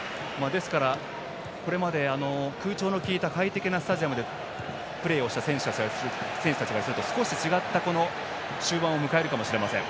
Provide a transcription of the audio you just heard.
ですから、これまで空調の効いた快適なスタジアムでプレーをした選手たちは少し違った終盤を迎えるかもしれません。